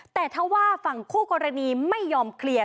แต่ถ้าว่าฝั่งคู่กรณีไม่ยอมเคลียร์